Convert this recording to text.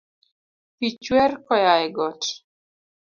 Pi chwer koya e got